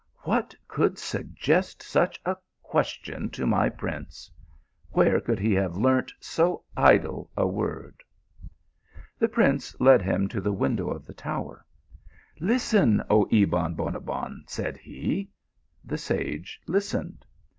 " What could suggest such a question to my prince ? where could he have learnt so idle a word ?" The prince led him to the window of the tower. " Listen, oh Ebon Lonabbon !" said he. The sage listened.